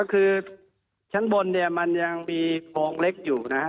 คือชั้นบนเนี่ยมันยังมีโครงเล็กอยู่นะฮะ